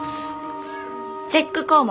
チェック項目